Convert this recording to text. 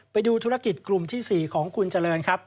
ไปดูธุรกิจกลุ่มที่๔ของคุณเจริญครับ